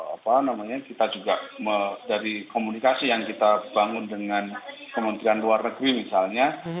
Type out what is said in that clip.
apa namanya kita juga dari komunikasi yang kita bangun dengan kementerian luar negeri misalnya